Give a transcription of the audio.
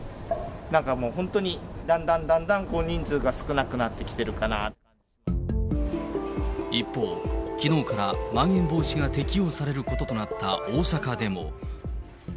なんかもう、本当にだんだんだんだん人数が少なくなってきてるか一方、きのうから、まん延防止が適用されることとなった大阪でも。